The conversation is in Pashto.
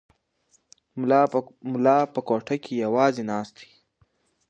ملا په کوټه کې یوازې ناست دی.